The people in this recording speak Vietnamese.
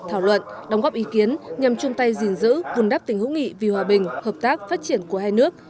thảo luận đóng góp ý kiến nhằm chung tay gìn giữ vùn đắp tình hữu nghị vì hòa bình hợp tác phát triển của hai nước